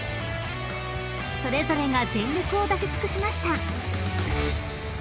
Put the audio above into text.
［それぞれが全力を出し尽くしました］